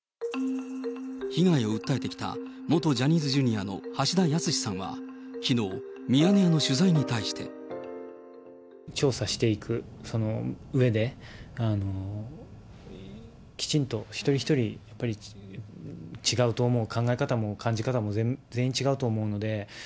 被害を訴えてきた元ジャニーズＪｒの橋田康さんはきのう、ミヤネ屋の取材に対して。調査していく、その上で、きちんと一人一人、やっぱり違うと思う、考え方も感じ方も全員違うと思うので。